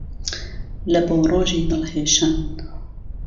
له بۆ ڕۆژی دل هێشان